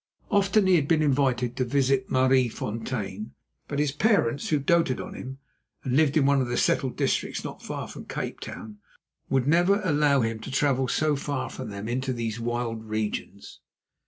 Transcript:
Often he had been invited to visit Maraisfontein, but his parents, who doted on him and lived in one of the settled districts not far from Cape Town, would never allow him to travel so far from them into these wild regions.